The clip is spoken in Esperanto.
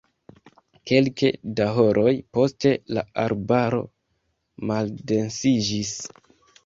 Kelke da horoj poste la arbaro maldensiĝis.